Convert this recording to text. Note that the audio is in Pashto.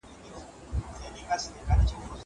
زه بازار ته نه ځم.